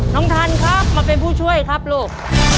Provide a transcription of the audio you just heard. ท่านครับมาเป็นผู้ช่วยครับลูก